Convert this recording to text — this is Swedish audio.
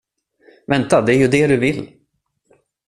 Vänta, det är ju det du vill.